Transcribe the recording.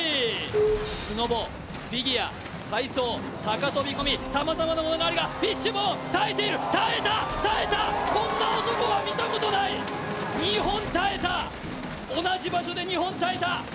スノボ、フィギュア、体操、高飛込、さまざまなものがあるが、フィッシュボーン、耐えている、こんな男は見たことない、２本耐えた、同じ場所で２本耐えた。